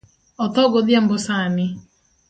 Otho godhiambo sani